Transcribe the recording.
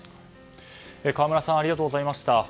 河村さんありがとうございました。